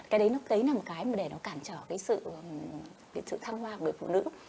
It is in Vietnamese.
cái đấy là một cái để nó cản trở cái sự thăng hoa của người phụ nữ